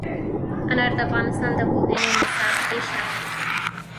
انار د افغانستان د پوهنې نصاب کې شامل دي.